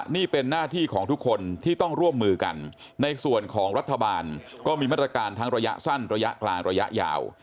นี่เป็นหน้าที่ของทุกคนที่ต้องร่วมมือกันในส่วนของรัฐบาลก็มีมาตรการทั้งระยะสั้นระยะกลางระยะยาว